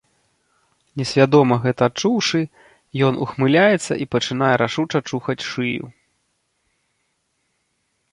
Несвядома гэта адчуўшы, ён ухмыляецца і пачынае рашуча чухаць шыю.